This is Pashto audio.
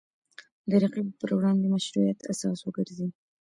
د رقیبو پر وړاندې مشروعیت اساس وګرځي